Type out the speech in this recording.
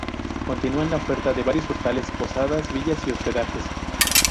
Continúan la oferta varios hostales, Posadas, Villas y hospedajes.